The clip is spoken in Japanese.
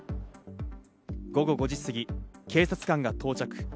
午後５時すぎ、警察官が到着。